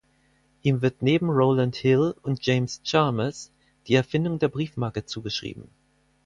Ihm wird neben Rowland Hill und James Chalmers die Erfindung der Briefmarke zugeschrieben.